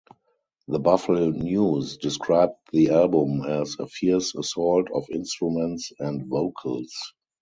The Buffalo News described the album as "a fierce assault of instruments and vocals".